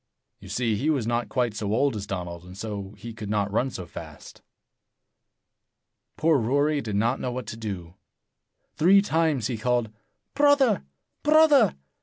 You see, he was not quite so old as Donald, and so he could not run so fast. Poor Rory did not know what to do. Three times he called, "Brother! Brother!